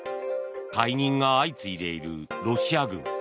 解任が相次いでいるロシア軍。